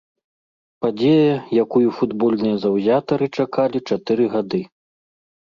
Падзея, якую футбольныя заўзятары чакалі чатыры гады.